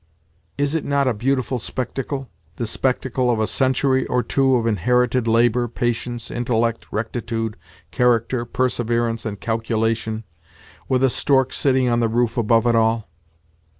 Is it not a beautiful spectacle—the spectacle of a century or two of inherited labour, patience, intellect, rectitude, character, perseverance, and calculation, with a stork sitting on the roof above it all?